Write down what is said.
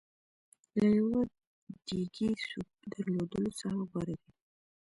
له یوه ډېګي سوپ درلودلو څخه غوره دی.